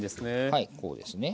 はいこうですね。